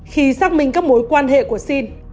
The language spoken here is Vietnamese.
khi xác minh các mối quan hệ của sinh